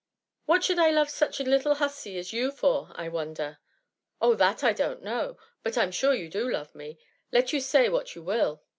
*^ What should I love such a little hussey as you for, I wonder ?" Oh, that I don't know ; but I 'm sure you do love me, let you say what you will